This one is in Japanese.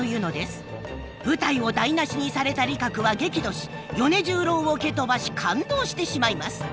舞台を台なしにされた璃は激怒し米十郎を蹴飛ばし勘当してしまいます。